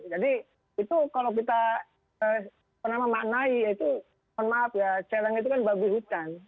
jadi itu kalau kita penama maknai itu mohon maaf ya celeng itu kan babi hutan